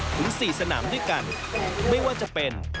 ถึง๔สนามด้วยกันไม่ว่าจะเป็น